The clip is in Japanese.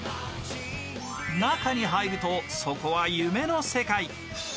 中に入ると、そこは夢の世界。